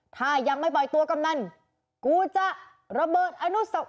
ถ้ายังไม่ปล่อยตัวกำนันกูจะระเบิดอนุสัก